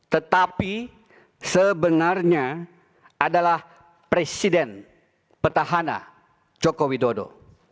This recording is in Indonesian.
tetapi sebenarnya adalah presiden petahana joko widodo